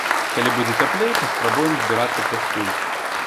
Калі будзе цяплей, паспрабуем збірацца часцей.